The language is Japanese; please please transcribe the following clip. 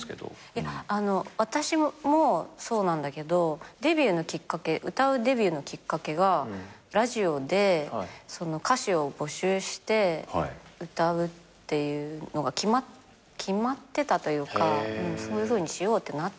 いや私もそうなんだけど歌うデビューのきっかけがラジオで歌詞を募集して歌うっていうのが決まってたというかそういうふうにしようってなっていて。